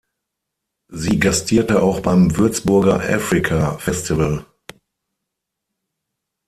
Sie gastierte auch beim Würzburger Africa Festival.